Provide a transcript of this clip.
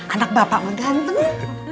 anak bapak menggantung